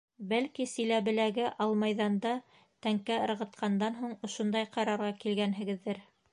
Бәлки, Силәбеләге Ал майҙанда тәңкә ырғытҡандан һуң ошондай ҡарарға килгәнһегеҙҙер?